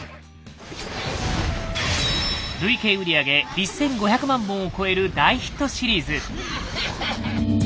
累計売り上げ１，５００万本を超える大ヒットシリーズ。